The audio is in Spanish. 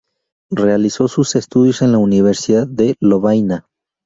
Realizó sus estudios en la Universidad de Lovaina.